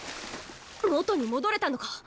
元に戻れたのか？